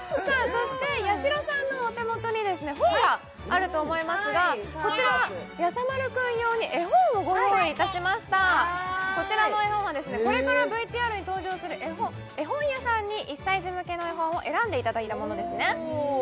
そしてやしろさんのお手元にですね本があると思いますがこちらはいやさ丸くん用に絵本をご用意いたしましたこちらの絵本はこれからＶＴＲに登場する絵本屋さんに１歳児向けの絵本を選んでいただいたものですね